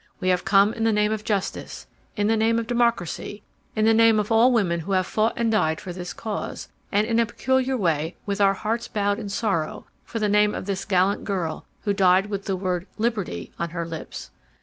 We have come in the name of justice, in the name of democracy, in the name of all women who have fought and died for this cause, and in a peculiar way with our hearts bowed in sorrow, in the name of this gallant girl who died with the word 'liberty' on her lips.